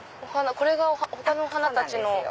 これが他のお花たちの。